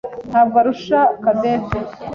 ntabwo arusha Cadette.